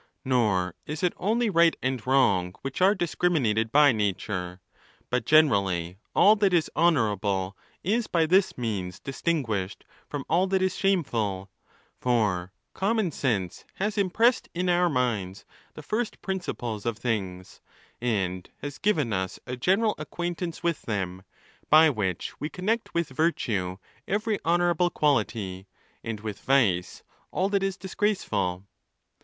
Nor is it only right and wrong which are discrimi nated by nature, but generally all that is honourable is by this means distinguished from all that is shameful; for common sense has 'impressed i in our minds the first principles of things, and has given us a general acquaintance with them, by which we connect with virtue every honourable quality, and with vice all.that is disgraceful.